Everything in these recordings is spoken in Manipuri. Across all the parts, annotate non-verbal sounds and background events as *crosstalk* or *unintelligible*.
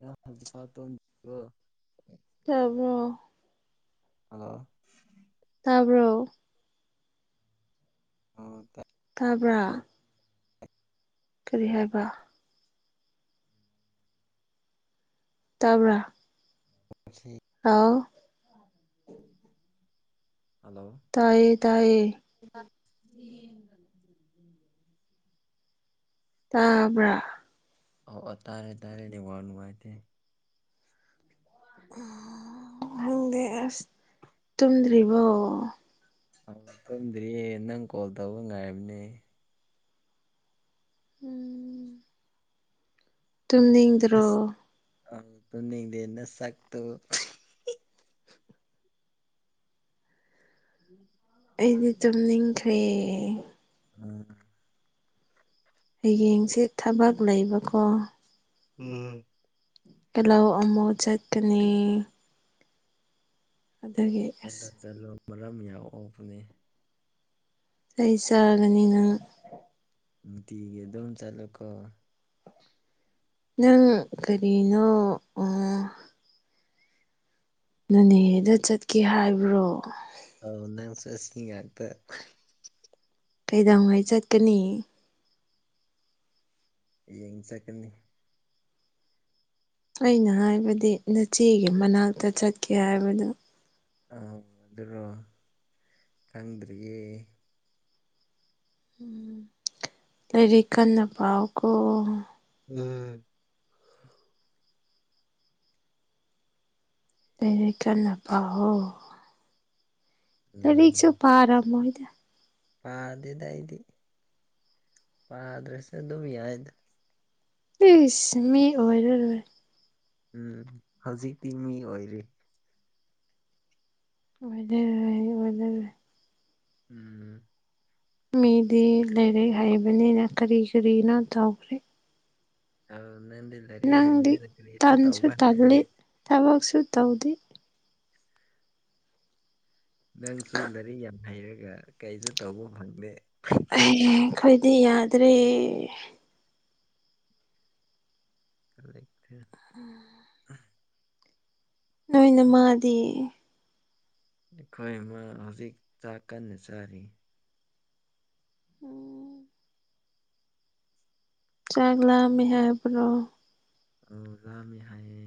ꯌꯥꯗꯤ ꯄ ꯇꯣ *unintelligible* ꯇꯥꯕ꯭ꯔꯣ ꯍꯜꯂꯣ ꯇꯥꯕꯔꯣ ꯑꯣ ꯇꯥꯏ ꯇꯥꯕ꯭ꯔ ꯀꯔꯤ ꯍꯥꯏꯕ ꯇꯕ꯭ꯔ ꯇꯥꯁꯤ ꯑꯥꯎ ꯍꯜꯂꯣ ꯇꯣꯏꯌꯦ ꯇꯣꯏꯌꯦ *inaudible* ꯇꯥꯕ꯭ꯔꯥ ꯑꯣ ꯑꯣ ꯇꯥꯔꯦ ꯅꯦꯠꯋꯥꯛ ꯅꯨꯡꯉꯥꯏꯇꯦ *inaudible* ꯈꯪꯗꯦ ꯑꯁ ꯇꯨꯝꯗ꯭ꯔꯤꯕꯣ ꯑ ꯇꯨꯝꯗ꯭ꯔꯤꯌꯦ ꯅꯪ ꯀꯣꯜ ꯇꯧꯕ ꯉꯥꯏꯔꯕꯅꯦ ꯎꯝ ꯇꯨꯝꯅꯤꯡꯗ꯭ꯔꯣ ꯑ ꯇꯨꯅꯤꯡꯗꯦꯟꯅ ꯅꯁꯛꯇꯨ ꯎꯝ ꯑꯩꯗꯤ ꯇꯨꯝ ꯅꯤꯡꯈ꯭ꯔꯦ ꯑ ꯍꯌꯦꯡꯁꯦ ꯊꯕꯛ ꯂꯩꯕꯀꯣ ꯎꯝ ꯂꯧ ꯑꯃꯨꯛ ꯆꯠꯀꯅꯤ ꯑꯗꯨꯗꯒꯤ ꯆꯠꯂꯣ ꯑꯁ ꯆꯠꯂꯣ ꯃꯔꯝ ꯌꯥꯎꯛꯑꯣꯛꯄꯅꯤ ꯆꯩ ꯆꯥꯔꯒꯅꯤ ꯅꯪ ꯅꯨꯡꯇꯤꯒꯤ ꯑꯗꯨꯝ ꯆꯠꯂꯨꯀꯣ ꯅꯪ ꯀꯔꯤꯅꯣ ꯑꯣ ꯅꯅꯦꯗ ꯆꯠꯀꯦ ꯍꯥꯏꯕ꯭ꯔꯣ ꯑ ꯅꯪ ꯆꯁ ꯌꯥꯥꯛꯇ ꯀꯩꯗꯧꯉꯥꯏ ꯆꯠꯀꯅꯤ ꯌꯦꯡ ꯆꯠꯀꯅꯤ ꯑꯩꯅ ꯍꯥꯏꯕꯗꯤ ꯅꯆꯦꯒꯤ ꯃꯅꯥꯛꯇ ꯆꯠꯀꯦ ꯍꯥꯏꯕꯗꯨ ꯑ ꯑꯗꯨꯔꯣ ꯈꯪꯗ꯭ꯔꯤꯌꯦ ꯎꯝ ꯂꯩꯔꯤ ꯀꯟꯅ ꯄꯥꯎ ꯀꯣ ꯎꯝ ꯂꯩꯔ ꯀꯟꯅ ꯄꯥꯣ ꯎꯝ ꯁꯨ ꯄꯥꯔꯝꯣꯏ ꯄꯥꯗꯦꯗ ꯑꯩꯗꯤ ꯄꯥꯗ꯭ꯔꯁꯨ ꯑꯗꯨꯝ ꯌꯥꯏꯗ ꯤꯁ ꯃꯤ ꯑꯣꯏꯔ ꯑꯣꯏ ꯎꯝ ꯍꯧꯖꯤꯛꯇꯤ ꯃꯤ ꯑꯣꯏꯔꯤ ꯑꯣꯏꯗ ꯑꯣꯏꯗ ꯎꯝ ꯃꯤꯗꯤ ꯂꯩꯔꯦ ꯍꯥꯏꯕꯅꯤꯅ ꯀꯔꯤ ꯀꯔꯤꯅꯣ ꯇꯧꯈ꯭ꯔꯦ ꯑ ꯅꯪꯗꯤ ꯂꯩꯔꯤꯦ ꯅꯪꯗꯤ ꯍꯥꯏꯕꯅꯤꯅ ꯀꯔꯤꯁꯨ ꯇꯧꯕ ꯐꯪꯗꯦ ꯇꯧꯗꯤ ꯅꯪꯁꯨ ꯂꯥꯏꯔꯤꯛ ꯌꯥꯝ ꯍꯩꯔꯒ ꯀꯩꯁꯨ ꯇꯧꯕ ꯐꯪꯗꯦ ꯑꯦ ꯑꯩꯈꯣꯏꯗꯤ ꯌꯥꯗ꯭ꯔꯦ ꯂꯩꯦ ꯎꯝ ꯑ ꯅꯣꯏꯅ ꯃꯥꯗꯤ ꯑꯩꯈꯣꯏ ꯑꯃ ꯍꯧꯖꯤꯛ ꯆꯥꯛ ꯀꯟꯅ ꯆꯥꯔꯤ ꯎꯝ ꯆꯒꯂꯃꯤ ꯍꯥꯏ ꯄꯨ꯭ꯔꯣ ꯑ ꯂꯥꯃꯤ ꯍꯥꯏꯌꯦ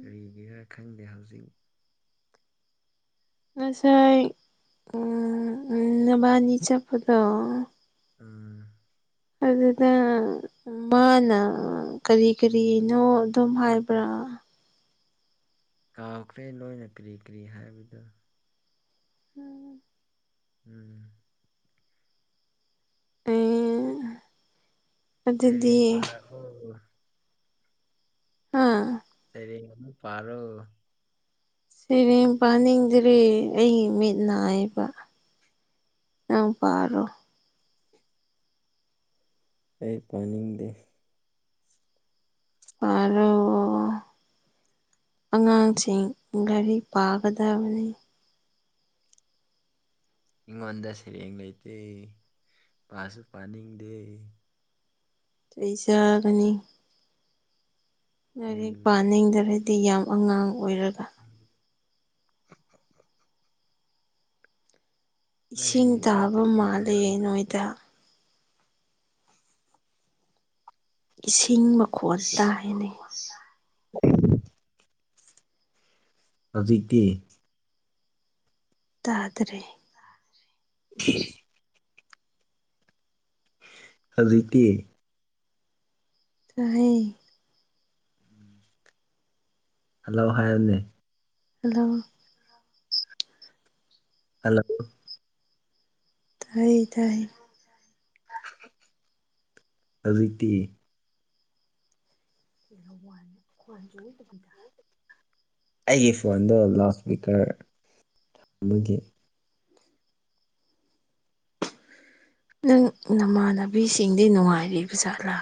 ꯀꯔꯤꯒ ꯈꯪꯗꯦ ꯍꯧꯖꯤꯛ ꯑꯁꯥꯏ ꯅꯚꯅꯤ ꯆꯞꯄꯗ ꯎꯝ ꯑꯗꯨꯗ ꯃꯥꯅ ꯀꯔꯤ ꯀꯔꯤꯅꯣ ꯑꯗꯨꯝ ꯍꯥꯏꯕ꯭ꯔꯥ *unintelligible* ꯀꯥꯎꯈ꯭ꯔꯦ ꯅꯣꯏꯅ ꯀꯔꯤ ꯀꯔꯤ ꯍꯥꯏꯕꯗꯨꯣ ꯎꯝ ꯎꯝ ꯁꯔꯤ ꯑꯗꯨꯗꯤ ꯄꯂ ꯑꯣ ꯍꯥꯥ ꯄꯥꯔꯣ ꯁꯩꯔꯦꯡ ꯄꯥꯅꯤꯡꯗ꯭ꯔꯦ ꯑꯩ ꯃꯤꯠ ꯅꯥꯏꯕ ꯑ ꯄꯥꯔꯣ ꯑꯩ ꯄꯥꯅꯤꯡꯗꯦ ꯑꯔ ꯑꯉꯥꯡꯁꯤꯡ ꯒꯥꯔꯤ ꯄꯥꯒꯗꯕꯅꯤ ꯑꯩꯉꯣꯟꯗ ꯁꯩꯔꯦꯡ ꯂꯩꯇꯦ ꯃꯥꯁꯨ ꯄꯥꯅꯤꯡꯗꯦ ꯆꯩ ꯆꯥꯒꯅꯤ ꯂꯥꯏꯔꯤꯛ ꯎꯝ ꯄꯥꯅꯤꯡꯗ꯭ꯔꯗꯤ ꯌꯥꯝ ꯑꯉꯥꯡ ꯑꯣꯏꯔꯒ ꯅꯪ ꯏꯁꯤꯡ ꯍꯌꯦꯡ ꯀꯥꯏ ꯇꯥꯕ ꯆꯠꯀꯦ ꯃꯥꯜꯂꯦ ꯍꯥꯏꯕ꯭ꯔꯣ ꯅꯣꯏꯗ ꯏꯁꯤꯡ ꯃꯈꯣꯟꯜ ꯇꯥꯍꯦꯅꯩ ꯑꯖꯤꯛꯇꯦ ꯇꯥꯗ꯭ꯔꯦ *unintelligible* ꯍꯧꯖꯤꯛꯇꯤ *unintelligible* ꯍꯜꯂꯣ ꯍꯥꯏꯕꯅꯦ ꯍꯜꯂꯣ ꯍꯜꯂꯣ ꯇꯥꯏ ꯇꯥꯏ ꯍꯧꯖꯤꯛꯇꯤ *inaudible* ꯀꯤꯜꯍꯧ ꯋꯥꯅꯦ ꯈꯣꯟꯁꯨ ꯑꯣꯏꯇꯕꯤꯗ ꯑꯩꯒꯤ ꯐꯣꯟꯗꯣ ꯂꯥꯎꯠ ꯏꯁꯄꯤꯀꯔ ꯊꯝꯕꯒꯤ ꯅꯪ ꯅꯃꯥꯟꯅꯕꯤꯁꯤꯡꯗꯤ ꯅꯨꯡꯉꯥꯏꯔꯤꯕ ꯖꯥꯠꯂꯥ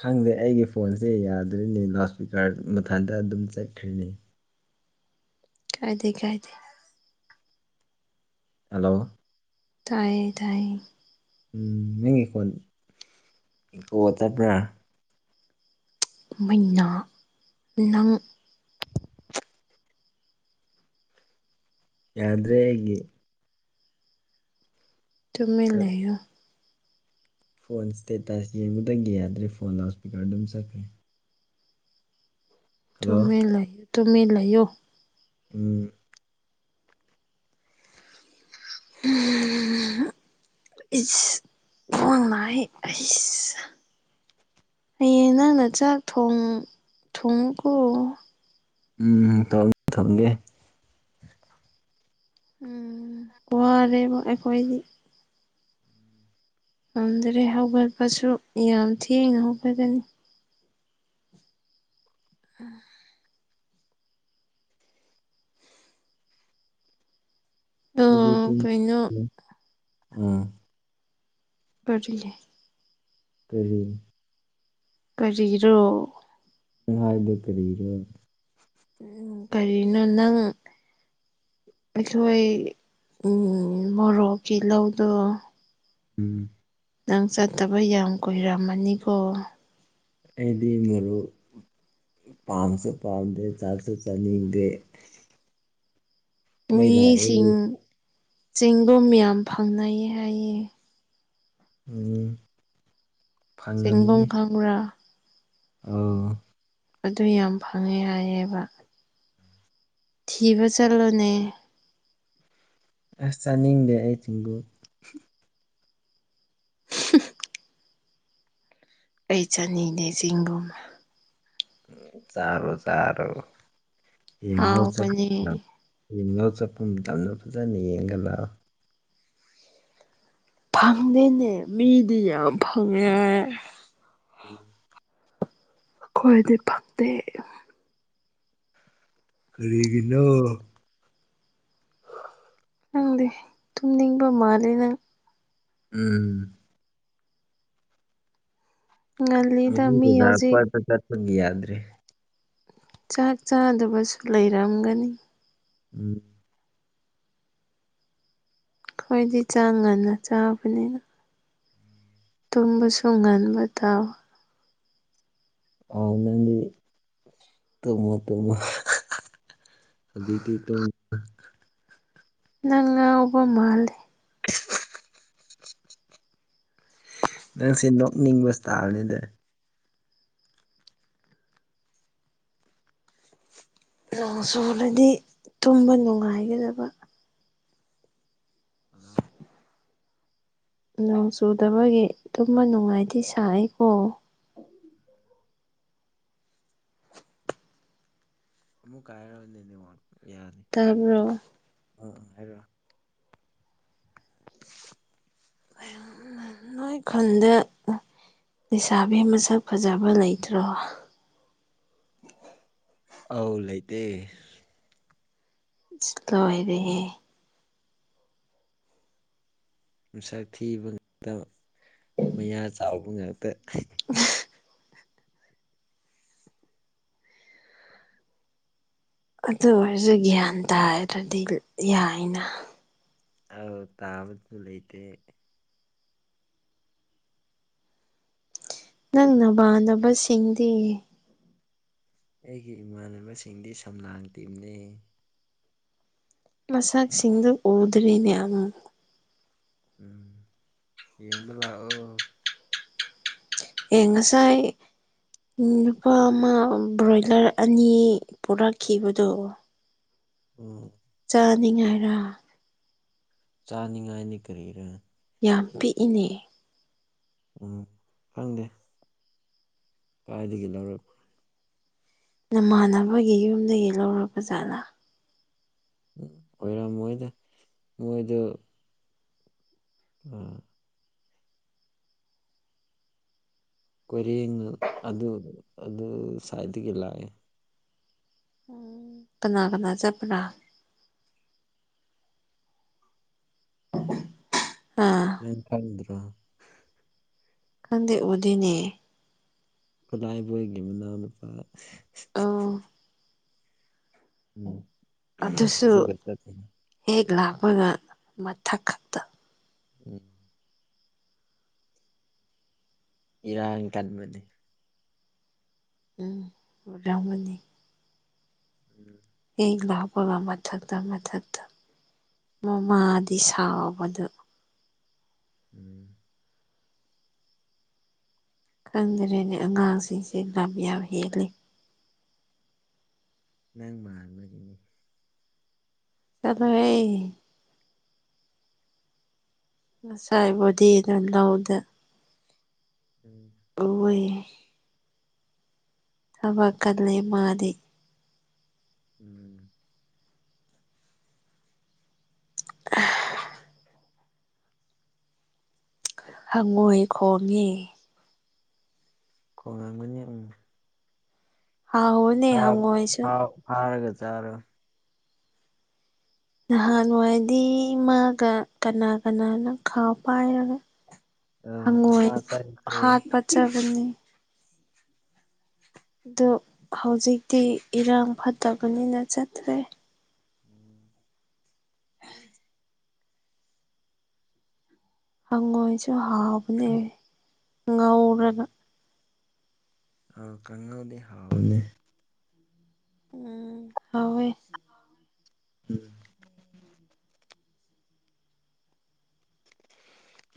ꯈꯪꯗꯦ ꯑꯩꯒꯤ ꯐꯣꯟꯁꯦ ꯌꯥꯗ꯭ꯔ‌ꯦꯅ‌ꯦ ꯂꯥꯎꯠ ꯏꯁꯄꯤꯀꯥꯔ ꯃꯊꯟꯇ ꯑꯗꯨꯝ ꯆꯠꯈ꯭ꯔ‌ꯦꯅ‌ꯦ ꯀꯥꯏꯗꯦ ꯀꯥꯏꯗꯦ ꯍꯜꯂꯣ ꯇꯥꯏꯌꯦ ꯇꯥꯏꯌꯦ ꯎꯝ ꯅꯪ ꯏꯈꯣꯟ ꯒꯣꯗꯕ꯭ꯔꯥ ꯃꯩꯅ ꯅꯪ ꯌꯥꯗ꯭ꯔꯦ ꯑꯩꯒꯤ ꯇꯨꯃꯤꯟ ꯂꯩꯌ‌ꯣ ꯐꯣꯟ ꯏꯁꯇꯦꯇꯥꯁ ꯌꯦꯡꯕꯗꯒꯤ ꯌꯥꯗ꯭ꯔꯦ ꯐꯣꯟ ꯂꯥꯎꯠ ꯏꯁꯄꯤꯀꯔ ꯑꯗꯨꯝ ꯆꯠꯈ꯭ꯔꯦ ꯍꯜꯂꯣ ꯇꯨꯃꯤꯟ ꯂꯩꯌꯨ ꯇꯨꯃꯤꯟ ꯂꯩꯥꯌꯣ ꯎꯝ *inaudible* ꯏꯖ ꯐ‌ꯣꯟ ꯃꯥꯏ ꯑꯩꯁ ꯍꯌꯦꯡ ꯅꯪꯅ ꯆꯥꯛ ꯊꯣꯡ ꯊꯣꯡꯉꯨꯀꯣ ꯎꯝ *inaudible* ꯊꯝꯒꯦ ꯎꯝ ꯋꯥꯔꯦꯕ ꯑꯩꯈꯣꯏꯗꯤ ꯑꯗꯨꯔꯦ ꯍꯧꯒꯠꯄꯁꯨ ꯌꯥꯝ ꯊꯦꯡꯅ ꯍꯧꯒꯠꯒꯅꯤ ꯑ ꯑ ꯀꯩꯅꯣ *unintelligible* *unintelligible* ꯀꯔꯤ ꯀꯔꯤꯔꯣ *unintelligible* ꯀꯔꯤꯔꯣ ꯎꯝ ꯀꯔꯤꯅꯣ ꯅꯪ ꯑꯩꯈꯣꯏ ꯎꯝ ꯃꯣꯔꯣꯛꯀꯤ ꯂꯧꯗꯣ ꯎꯝ ꯅꯪ ꯆꯠꯇꯕ ꯌꯥꯝ ꯀꯨꯏꯔꯝꯃꯅꯤꯀꯣ ꯑꯩꯗꯤ ꯃꯔꯨ ꯄꯥꯝꯁꯨ ꯄꯥꯝꯗꯦ ꯆꯥꯁꯨ ꯆꯥꯅꯤꯡꯗꯦ ꯃꯩ ꯂꯥꯛꯑꯦ ꯃꯤꯁꯤꯡ ꯆꯤꯡꯒꯨꯝ ꯌꯥꯝ ꯐꯪꯅꯩ ꯍꯥꯏꯌꯦ ꯎꯝ ꯆꯤꯕꯝ ꯈꯪꯕ꯭ꯔ ꯑ ꯑꯗꯨ ꯌꯥꯝ ꯐꯪꯉꯦ ꯍꯥꯏꯌꯦꯕ ꯊꯤꯕ ꯆꯠꯂꯣꯅꯦ ꯑꯁ ꯆꯥꯅꯤꯡꯗꯦ ꯑꯩ ꯆꯤꯡꯒꯨꯝ *unintelligible* ꯑꯩ ꯆꯥꯅꯤꯡꯉꯦ ꯆꯤꯡꯒꯨꯝ ꯆꯔꯣ ꯆꯥꯔꯣ ꯌꯦꯅ ꯍꯥꯎꯕꯅꯦ ꯌꯦꯡꯅꯣ ꯆꯠꯄ ꯃꯇꯝꯗ ꯐꯖꯅ ꯌꯦꯡꯒꯠꯂꯛꯑꯣ ꯐꯪꯗꯦꯅꯦ ꯃꯤꯗꯤ ꯌꯥꯝ ꯐꯪꯉꯦ ꯎꯝ ꯈꯣꯏꯗ ꯐꯛꯦ ꯀꯔꯤꯒꯤꯅꯣ ꯅꯪꯗꯤ ꯇꯨꯝꯅꯤꯡꯕ ꯃꯥꯂꯦ ꯅꯪ ꯎꯝ ꯉꯜꯂꯤꯗ ꯃꯤ ꯍꯧꯖꯤꯛ ꯄꯗ ꯆꯠꯄꯪꯗꯤ ꯌꯥꯗ꯭ꯔꯦ ꯆꯥꯛ ꯆꯥꯗꯕꯁꯨ ꯂꯩꯔꯝꯒꯅꯤ ꯎꯝ ꯈꯣꯏꯗꯤ ꯆꯥꯒꯅ ꯆꯥꯕꯅꯤꯅ ꯇꯨꯝꯕꯁꯨ ꯉꯟꯕ ꯊꯥꯎ ꯑꯅꯗꯤ ꯇꯣꯡꯃꯣ ꯇꯣꯃꯣ ꯍꯧꯖꯤꯗꯤ ꯇꯥ ꯅꯪ ꯑꯣꯕ ꯃꯥꯜꯦ ꯅꯪꯁꯦ ꯅꯣꯛꯅꯤꯡꯕ ꯇꯥꯔꯅꯤꯗ ꯅꯣꯡ ꯁꯣꯂꯗꯤ ꯇꯨꯝꯕ ꯅꯨꯡꯉꯥꯏꯒꯗꯕ ꯍꯜꯂꯣ ꯅꯣꯡ ꯆꯨꯗꯕꯒꯤ ꯇꯃ ꯅꯨꯡꯉꯥꯏꯗꯤ ꯁꯏꯀꯣ ꯑꯃꯨꯛ ꯀꯥꯏꯔꯅꯤ ꯋꯥꯣ ꯇꯥꯔꯕꯔꯣ ꯑꯥ ꯑꯥ ꯍꯥꯏꯔꯑꯣ *unintelligible* ꯅꯣꯏ ꯈꯟꯗꯦ ꯂꯩꯁꯥꯕꯤ ꯃꯁꯛ ꯐꯖꯕ ꯂꯩꯇ꯭ꯔꯣ ꯑꯧ ꯂꯩꯥꯏꯇ ꯂꯗꯦꯍꯦ ꯁꯛ ꯊꯤꯕ ꯉꯇ ꯃꯌꯥ ꯆꯥꯎꯕ ꯉꯇ ꯑꯗꯨ ꯑꯣꯏꯔꯁꯨ ꯒ꯭ꯌꯥꯟ ꯇꯥꯔꯗꯤ ꯌꯥꯏꯅ ꯑꯥ ꯇꯥꯕ ꯂꯩꯩꯇꯦ ꯅꯪ ꯅꯕ ꯅꯕꯁꯤꯡꯗꯤ ꯑꯩꯒꯤ ꯏꯃꯥꯟꯅꯕꯁꯤꯡꯗꯤ ꯁꯝꯂꯥꯡ ꯇꯤꯝꯅꯤ ꯃꯁꯛꯁꯤꯡꯗꯨ ꯎꯗ꯭ꯔꯤꯅꯦ ꯑꯃꯨꯛ ꯎꯝ ꯌꯦꯕꯂ ꯑꯣ ꯌꯦꯉꯁꯥꯏ ꯅꯨꯄꯥ ꯑꯃ ꯕ꯭ꯔꯣꯏꯂꯔ ꯑꯅꯤ ꯄꯨꯔꯛꯈꯤꯕꯗꯣ ꯎꯝ ꯆꯥꯅꯤꯡꯉꯥꯏꯔ ꯆꯥꯅꯤꯡꯉꯥꯏꯅꯤ ꯀꯔꯤꯔꯦ ꯌꯥꯝ ꯄꯤꯛꯏꯅꯦ ꯎꯝ ꯈꯪꯗꯦ ꯀꯥꯏꯗꯒꯤꯗꯒꯤ ꯂꯔ ꯅꯃꯥꯟꯅꯕꯒꯤ ꯌꯨꯝꯗꯒꯤ ꯂꯧꯔꯔꯕ ꯖꯥꯠꯂꯥ ꯎ ꯑꯣꯏꯔ ꯃꯣꯏꯗ ꯃꯣꯏꯗ ꯑꯥ ꯀꯣꯏꯔꯦꯡ ꯑꯗꯨ ꯑꯗꯨ ꯁꯥꯏꯠꯇꯒꯤ ꯂꯥꯛꯑꯦ ꯎꯝ ꯀꯅꯥ ꯀꯅꯥ ꯆꯄ ꯑꯥ *unintelligible* ꯀꯪꯗ ꯑꯣꯗꯤꯅꯦ ꯈꯨꯂꯥꯏ ꯏꯕꯣꯏꯒꯤ ꯃꯅꯥꯎꯅꯨꯄꯥ ꯑꯣ ꯑꯗꯨꯁꯨ *unintelligible* ꯍꯦꯛ ꯂꯥꯛꯄꯒ ꯃꯊꯛ ꯈꯛꯇ ꯎꯝ ꯏꯔꯥꯡ ꯇꯟꯕꯗꯤ ꯎꯝꯔꯃꯅꯤ ꯎꯝ ꯂꯕꯂ ꯃꯊꯗꯝ ꯃꯊꯠꯇꯝ ꯃꯃꯥꯗꯤ ꯁꯥꯎꯕꯗ ꯎꯝ ꯈꯪꯗ꯭ꯔꯦꯅꯦ ꯑꯉꯥꯡꯁꯤꯡꯁꯦ ꯌꯥꯝ ꯌꯥꯝ ꯍꯦꯜꯜꯂꯤ ꯅꯪ ꯃꯥꯔ ꯃꯗꯤꯅꯤ ꯆꯂꯣ ꯍ ꯉꯁꯥꯏꯕꯨꯗꯤ ꯑꯗꯨꯝ ꯂꯧꯗꯦ ꯎꯝ ꯑꯣꯏ ꯊꯕ ꯀꯗꯂꯦ ꯃꯥꯔꯤ ꯎꯝ *unintelligible* ꯍꯪꯉꯣꯏ ꯈꯣꯡꯉꯦ ꯀꯣꯡ ꯉꯥꯡꯒꯅꯤ ꯎꯝ ꯍꯥꯎꯕꯅꯦ ꯐ ꯍꯪꯉꯣꯏꯁꯨ ꯐꯥꯎ ꯐꯥꯔꯒ ꯆꯔꯒ ꯅꯍꯥꯟꯋꯥꯏꯗꯤ ꯃꯥꯒ ꯀꯅꯥ ꯀꯅꯥꯅ ꯈꯥꯎ ꯄꯥꯏꯔꯒ ꯑꯥ ꯍꯪꯉꯣꯏ ꯅꯃꯥ ꯆꯠꯈ꯭ꯔꯦ ꯍꯥꯠꯄꯠꯆꯕꯅꯤ ꯑꯗꯨ ꯍꯧꯖꯤꯛꯇꯤ ꯏꯔꯥꯡ ꯐꯠꯇꯕꯅꯤꯅ ꯆꯠꯇ꯭ꯔꯦ ꯍꯪꯉꯣꯏꯁꯨ ꯍꯥꯎꯕꯅꯦ ꯉꯧꯔꯒ ꯑꯥꯎ ꯀꯥꯡꯪꯍꯧꯗꯤ ꯍꯥꯎꯅꯦ ꯎꯝ ꯍꯋ ꯎꯝ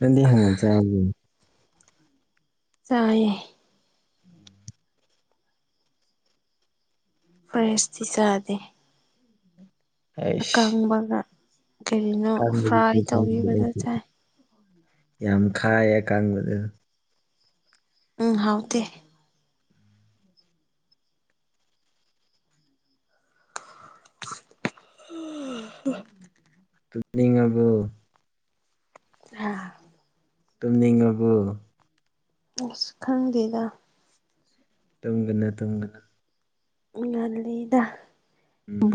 ꯔꯗꯤꯦ ꯍꯉ ꯆ ꯆꯑꯌꯦ ꯐꯔꯦꯁꯇ ꯁꯥꯗꯦ ꯀꯪꯕꯒ ꯀꯥꯟ ꯀ ꯌꯥꯗ ꯆꯥꯏ ꯌꯥꯝ ꯈꯥꯏꯦ ꯀꯥꯡꯕꯗꯨ ꯎꯝ ꯍꯥꯎꯗꯤ ꯎ ꯆꯨꯅꯤꯡꯉꯕꯨ ꯑ ꯇꯨꯝꯅꯤꯡꯉꯕꯨ ꯑꯁ ꯈꯪꯗꯦꯗ ꯇꯨꯡꯒꯅ ꯇꯨꯡꯒꯅ ꯎ ꯂꯩ ꯏꯗ ꯣ ꯎꯝ